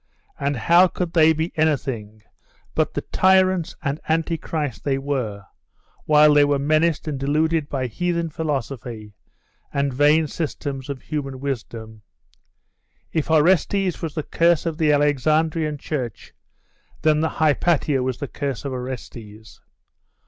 And how could they be anything but the tyrants and antichrists they were, while they were menaced and deluded by heathen philosophy, and vain systems of human wisdom? If Orestes was the curse of the Alexandrian Church, then Hypatia was the curse of Orestes.